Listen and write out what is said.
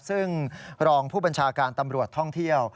ซึ่งรองผู้บัญชาการตำรวจท่องเที่ยว